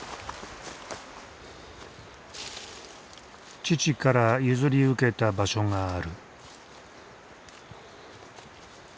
父から譲り受けた場所がある。